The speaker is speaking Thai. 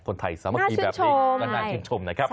คนไทยสามารถกินแบบนี้น่าชินชมนะครับ